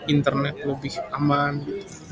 internet lebih aman gitu